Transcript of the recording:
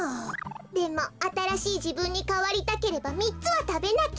でもあたらしいじぶんにかわりたければみっつはたべなきゃ。